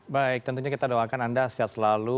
baik tentunya kita doakan anda sehat selalu